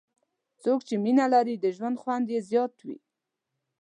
څوک چې مینه لري، د ژوند خوند یې زیات وي.